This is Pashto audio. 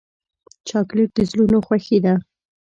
چاکلېټ د زړونو خوښي ده.